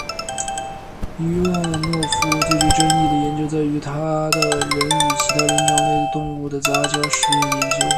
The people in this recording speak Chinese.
伊万诺夫最具争议的研究在于他的人与其他灵长类动物的杂交试验研究。